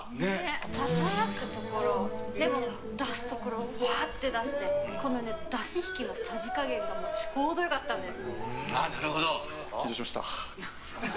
ささやくところでも出すところは、わっと出して出し引きのさじ加減が素晴らしかったです。